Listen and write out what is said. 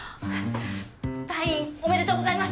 退院おめでとうございます！